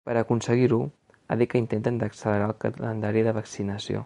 Per a aconseguir-ho, ha dit que intenten d’accelerar el calendari de vaccinació.